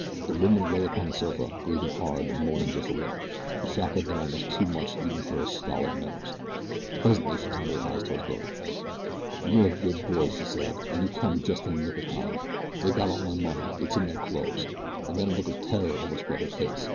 The woman lay upon the sofa, breathing hard, and moaning just a little. The shock had been almost too much even for her stolid nerves. Presently she turned her eyes toward Billy. "You are a good boy," she said, "and you come just in the nick o' time. They got all my money. It's in their clothes," and then a look of terror overspread her face.